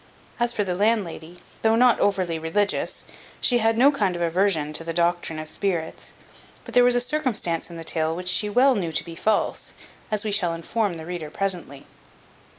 As for the landlady, though not over religious, she had no kind of aversion to the doctrine of spirits; but there was a circumstance in the tale which she well knew to be false, as we shall inform the reader presently.